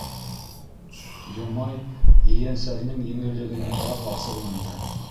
Йомай ейәнсәренең еңеллегенә тағы асыуланды: